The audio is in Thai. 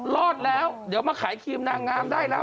รอดแล้วเดี๋ยวมาขายครีมนางงามได้แล้ว